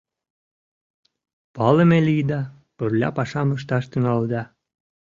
Палыме лийыда, пырля пашам ышташ тӱҥалыда.